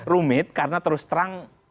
rumit karena terus terang